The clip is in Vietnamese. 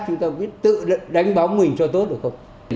chúng ta có tự đánh bóng mình cho tốt được không